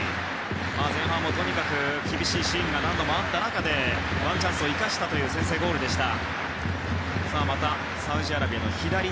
前半もとにかく厳しいシーンが何度もあった中でワンチャンスを生かした先制ゴールでした。